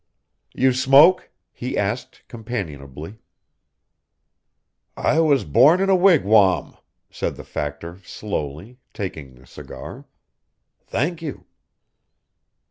"You smoke?" he asked companionably. "I was born in a wigwam," said the factor slowly, taking the cigar. "Thank you."